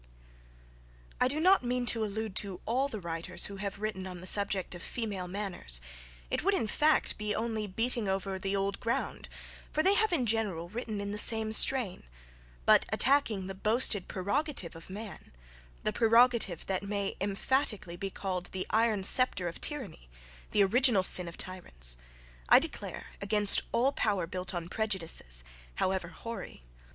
I do not mean to allude to all the writers who have written on the subject of female manners it would in fact be only beating over the old ground, for they have, in general, written in the same strain; but attacking the boasted prerogative of man the prerogative that may emphatically be called the iron sceptre of tyranny, the original sin of tyrants, I declare against all power built on prejudices, however hoary.